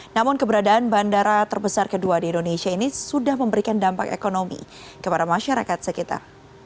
namun keberadaan bandara terbesar kedua di indonesia ini sudah memberikan dampak ekonomi kepada masyarakat sekitar